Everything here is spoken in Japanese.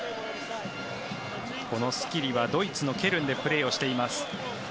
このスキリはドイツのケルンでプレーしています。